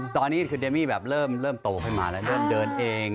ตอนนี้คือเดมี่แบบเริ่มโตขึ้นมาแล้วเริ่มเดินเอง